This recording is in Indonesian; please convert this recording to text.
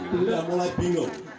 sudah mulai bingung